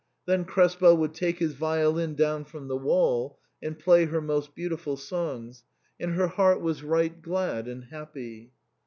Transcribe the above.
Then Krespel would take his violin down from the wall and play her most beautiful songs, and her heart was right glad and happy.